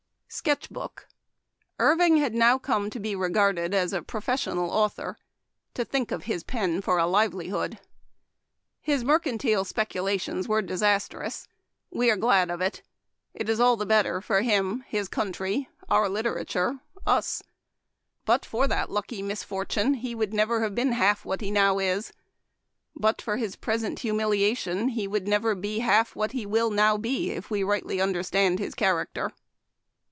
" Sketch Book. — Irving had now come to be regarded as a professional author ; to think of his pen for a livelihood. His mercantile specu 142 Memoir of Washington Irving. lations were disastrous. We are glad of it. It is all the better for him, his country, our litera ture, us. But for that lucky misfortune he would never have been half what he now is. But for his present humiliation he would nevei be half what he will now be, if we rightly under stand his character.